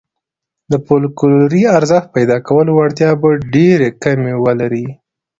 د فوکلوري ارزښت پيدا کولو وړتیا به ډېرې کمې ولري.